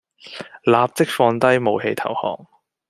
立即放低武器投降